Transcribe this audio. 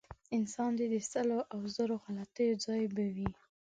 انسان دی د سلو او زرو غلطیو ځای به وي.